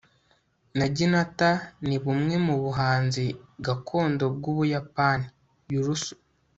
naginata ni bumwe mu buhanzi gakondo bw'ubuyapani. (yurusu